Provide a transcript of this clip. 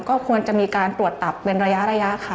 ก็ควรจะมีการตรวจตับเป็นระยะค่ะ